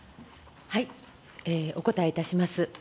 お答えいたします。